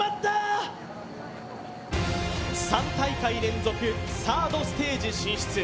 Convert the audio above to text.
３大会連続サードステージ進出。